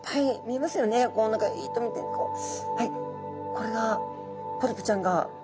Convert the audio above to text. これがポリプちゃんが。